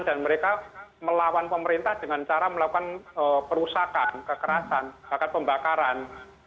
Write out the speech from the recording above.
dan mereka melawan pemerintah dengan cara melakukan perusakan kekerasan bahkan pembakaran